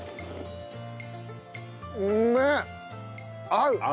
合う！